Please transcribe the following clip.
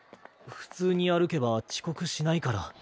普通に歩けば遅刻しないから。